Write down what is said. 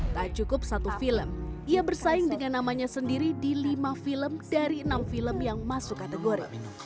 tak cukup satu film ia bersaing dengan namanya sendiri di lima film dari enam film yang masuk kategori